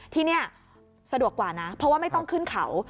ที่นี่สะดวกกว่านะเพราะว่าไม่ต้องขึ้นเขา